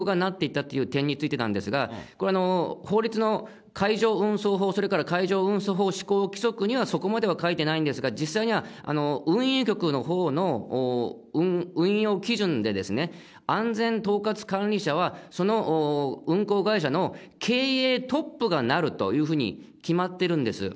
まず、安全統括管理者のほうですけども、これに社長がなっていたという点についてなんですけども、これ、法律の海上運送法、それから海上運送法規則にはそこまでは書いてないんですが、実際には、運輸局のほうの運用基準で、安全統括管理者は、その運航会社の経営トップがなるというふうに決まってるんです。